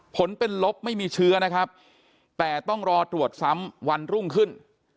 ผลเป็นลบไม่มีเชื้อนะครับแต่ต้องรอตรวจซ้ำวันรุ่งขึ้น